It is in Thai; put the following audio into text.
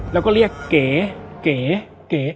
เราก็เรียกเก๋เก๋เก๋